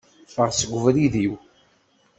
Ffeɣ seg ubrid-iw!